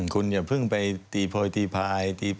คุณอย่าเพิ่งไปตีโพยตีพาย